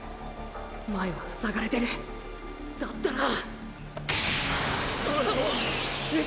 前は塞がれてるだったらあっ。